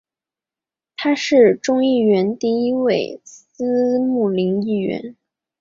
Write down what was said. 他是众议院第一位穆斯林议员。